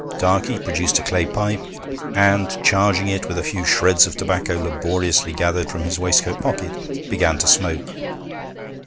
Darkey produced a clay pipe, and, charging it with a few shreds of tobacco laboriously gathered from his waistcoat pocket, began to smoke.